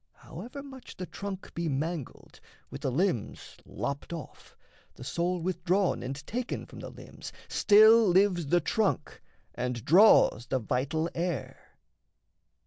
However much The trunk be mangled, with the limbs lopped off, The soul withdrawn and taken from the limbs, Still lives the trunk and draws the vital air.